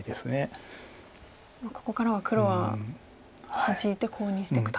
ここからは黒はハジいてコウにしてくと。